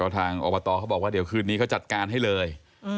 ทางอบตเขาบอกว่าเดี๋ยวคืนนี้เขาจัดการให้เลย